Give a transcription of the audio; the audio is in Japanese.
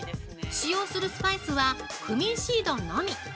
使用するスパイスはクミンシードのみ。